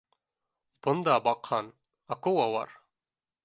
Бында, баҡһаң, акулалар